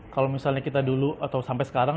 kalau misalnya kita dulu atau sampai sekarang